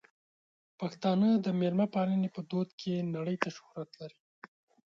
پښتانه د مېلمه پالنې په دود کې نړۍ ته شهرت لري.